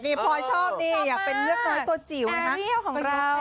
นี่พลอยชอบนี่อยากเป็นเยือกน้อยตัวจิ๋วนะคะของเรา